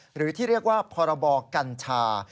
หรือที่เรียกว่าพรบกัญชา